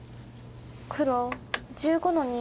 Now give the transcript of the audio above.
黒１５の二。